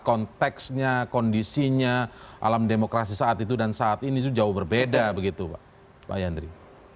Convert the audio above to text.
konteksnya kondisinya alam demokrasi saat itu dan saat ini itu jauh berbeda begitu pak yandri